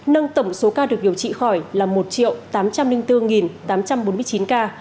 nâng tổng số ca được điều trị khỏi là một tám trăm linh bốn tám trăm bốn mươi chín ca